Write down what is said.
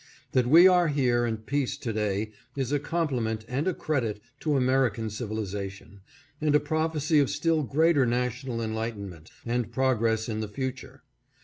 That we are here in peace to day is a compliment and a credit to American civilization and a prophecy of still greater national enlightenment and progress in the future.